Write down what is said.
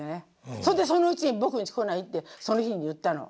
それでそのうち「僕んち来ない？」ってその日に言ったの。